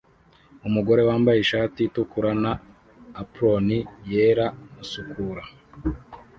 Umugore wambaye ishati itukura na apron yera asukura